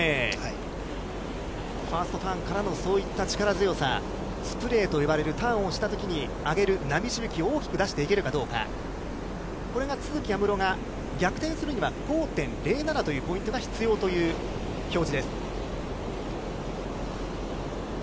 ファーストターンからのそういった力強さ、スプレーといわれるターンをした時に上げる波しぶきを大きく出していけるかどうか、これが都筑有夢路が逆転するには５．０７というポイントが必要という表示です。